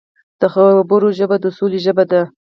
د خبرو ژبه د سولې ژبه ده